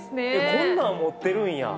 こんなん持ってるんや。